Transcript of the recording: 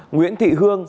nguyễn thị hương